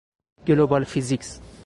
گلوبال فیزیکس